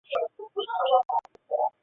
太子长琴亦成为焚寂之剑灵。